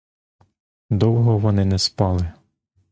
Довго вони не спали.